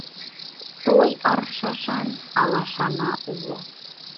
Той аршашан алашана уло.